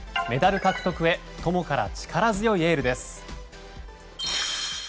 メダル獲得へ友から力強いエールです。